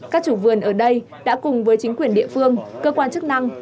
các chủ vườn ở đây đã cùng với chính quyền địa phương cơ quan chức năng